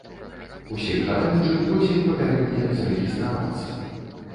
Усіх жадаючых просім папярэдне зарэгістравацца.